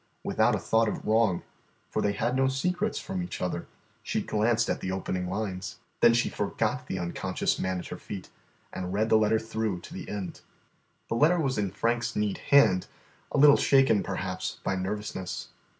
Without a thought of wrong, for they had no secrets from each other, she glanced at the opening lines. Then she forgot the unconscious man at her feet and read the letter through to the end. The letter was in Frank's neat hand, a little shaken, perhaps, by nervousness.